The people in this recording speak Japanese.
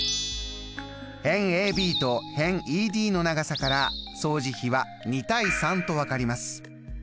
辺ＡＢと辺ＥＤの長さから相似比は２：３と分かります。